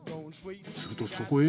するとそこへ。